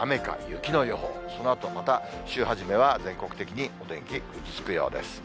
そのあとまた週始めは全国的にお天気ぐずつくようです。